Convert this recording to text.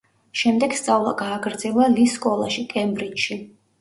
შემდეგ სწავლა გააგრძელა ლის სკოლაში, კემბრიჯში.